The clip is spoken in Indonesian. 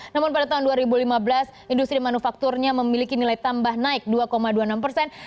namun pada tahun dua ribu lima belas industri manufakturnya memiliki nilai tambah naik dua dua puluh enam persen